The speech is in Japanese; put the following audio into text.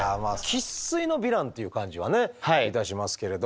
生っ粋のヴィランっていう感じはねいたしますけれども。